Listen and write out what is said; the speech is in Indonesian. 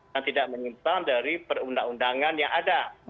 dan tidak menyimpan dari perundang undangan yang ada